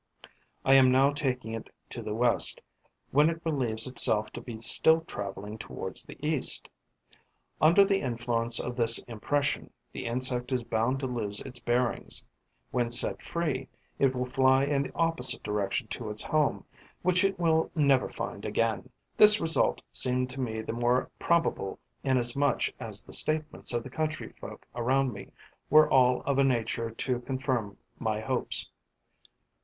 I am now taking it to the west, when it believes itself to be still travelling towards the east. Under the influence of this impression; the insect is bound to lose its bearings. When set free, it will fly in the opposite direction to its home, which it will never find again. This result seemed to me the more probable inasmuch as the statements of the country folk around me were all of a nature to confirm my hopes.